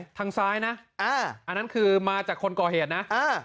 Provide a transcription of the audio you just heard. ติดต่อไปขึ้นด้วยทางซ้ายนะอันนั้นคือมาจากคนกอเหตุนะ